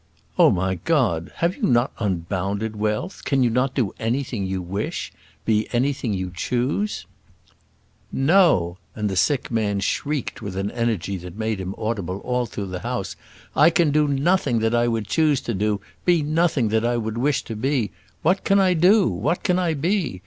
"Oh, my God! Have you not unbounded wealth? Can you not do anything you wish? be anything you choose?" "No," and the sick man shrieked with an energy that made him audible all through the house. "I can do nothing that I would choose to do; be nothing that I would wish to be! What can I do? What can I be?